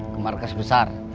ke markas besar